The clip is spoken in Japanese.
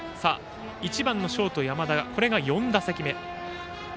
１番のショート、山田これが４打席目。